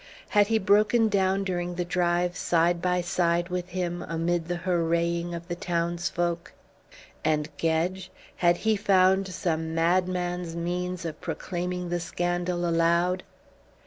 Had he broken down during the drive side by side with him, amid the hooraying of the townsfolk? And Gedge? Had he found some madman's means of proclaiming the scandal aloud?